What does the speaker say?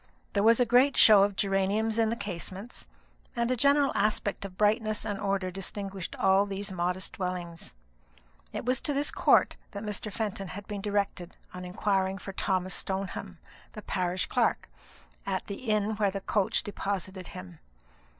There was a great show of geraniums in the casements, and a general aspect of brightness and order distinguished all these modest dwellings. It was to this court that Mr. Fenton had been directed on inquiring for Thomas Stoneham, the parish clerk, at the inn where the coach deposited him.